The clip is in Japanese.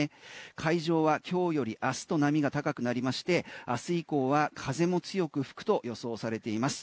海上は今日より明日と波が高くなりまして明日以降は風も強く吹くと予想されています。